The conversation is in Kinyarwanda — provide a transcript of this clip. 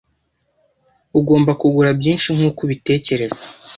Ugomba kugura byinshi nkuko ubitekereza